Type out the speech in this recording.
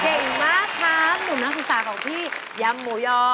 เก่งมากครับหนุ่มนักศึกษาของพี่ยำหมูยอ